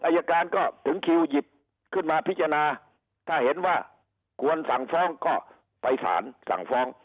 อายการก็ถึงคิวหยิบขึ้นมาพิจารณาถ้าเห็นว่าควรสั่งฟ้องก็ไปสารสั่งฟ้อง